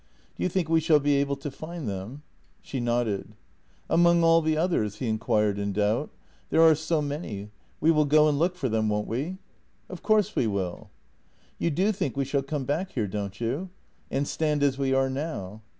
" Do you think we shall be able to find them ?" She nodded. " Among all the others? " he inquired in doubt. " There are so many. We will go and look for them, won't we? "" Of course we will." "You do think we shall come back here, don't you? And stand as we are now."